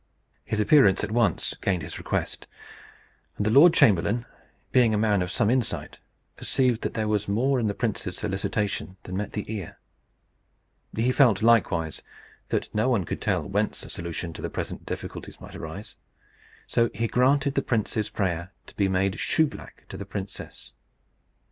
His appearance at once gained his request; and the lord chamberlain, being a man of some insight, perceived that there was more in the prince's solicitation than met the ear. He felt likewise that no one could tell whence a solution of the present difficulties might arise. So he granted the prince's prayer to be made shoe black to the princess.